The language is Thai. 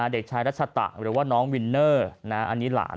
เด็กชายรัชตะหรือว่าน้องวินเนอร์อันนี้หลาน